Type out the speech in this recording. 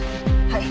はい。